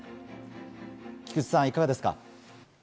菊地さん、いかがですか？